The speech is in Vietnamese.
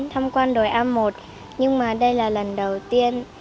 thăm quan đồi a một nhưng mà đây là lần đầu tiên